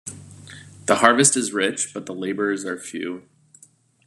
The harvest is rich... but the laborers are few.